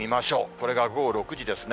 これが午後６時ですね。